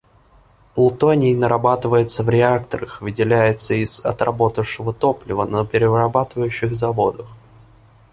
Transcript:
Плутоний нарабатывается в реакторах и выделяется из отработавшего топлива на перерабатывающих заводах.